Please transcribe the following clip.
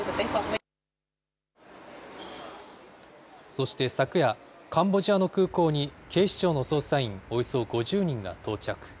そして昨夜、カンボジアの空港に警視庁の捜査員およそ５０人が到着。